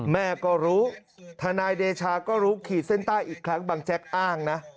แม่ก็รู้ทนายเดชาก็รู้ขีดเส้นใต้อีกครั้งบางแจ๊กอ้างนะ